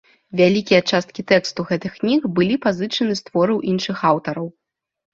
Вялікія часткі тэксту гэтых кніг былі пазычаны з твораў іншых аўтараў.